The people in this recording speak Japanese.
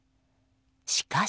しかし。